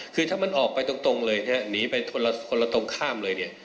คือถ้ามันออกไปตรงเลยเนี่ยหนีไปคนละตรงข้ามเลยเนี่ย